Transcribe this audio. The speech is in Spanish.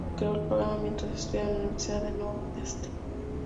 Creó el programa mientras estudiaba en la Universidad del Nordeste.